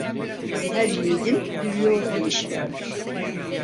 Her yiğidin bir yoğurt yiyişi vardır.